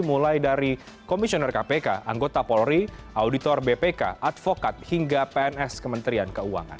mulai dari komisioner kpk anggota polri auditor bpk advokat hingga pns kementerian keuangan